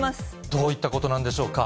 どういったことなんでしょうか。